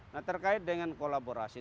nah terkait dengan kolaborasi